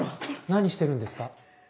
何してるんですか？